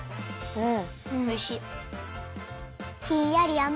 うん！